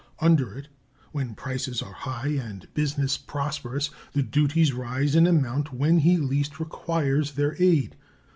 Under it, when prices are high and business prosperous, the duties rise in amount when he least requires their aid.